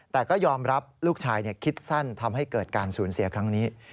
แต่ก็ยอมรับลูกชายคิดสั้นทำให้เกิดการสูญเสียครั้งนี้